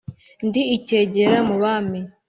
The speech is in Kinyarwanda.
ndi icyegera mu bami